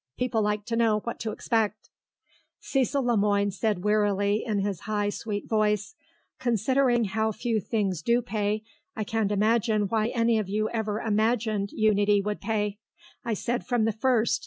People like to know what to expect." Cecil Le Moine said wearily in his high sweet voice, "Considering how few things do pay, I can't imagine why any of you ever imagined Unity would pay. I said from the first